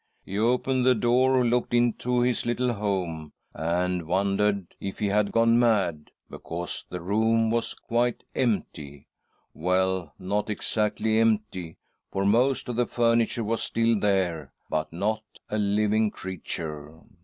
He opened the door, looked into his little honie, and wondered if he had gone mad, because the room was quite ■ A SISTER EDITH PLEADS WITH DEATH 123 empty — well, not exactly empty, for most of the furniture was still there, but not a living creature.